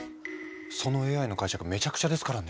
そのＡＩの解釈めちゃくちゃですからね。